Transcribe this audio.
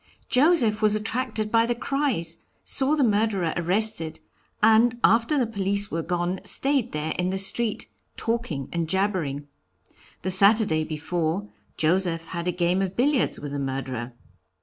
Joseph was attracted by the cries, saw the murderer arrested, and after the police were gone stayed there in the street, talking and jabbering. The Saturday before, Joseph had a game of billiards with the murderer."